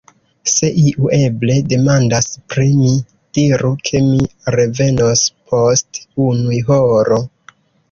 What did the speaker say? Se iu eble demandas pri mi, diru ke mi revenos post unu horo.